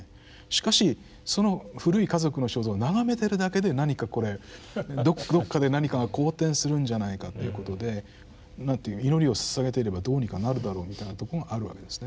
しかしその古い家族の肖像を眺めてるだけで何かこれどっかで何かが好転するんじゃないかということでなんて言う祈りをささげてればどうにかなるだろうみたいなとこがあるわけですね。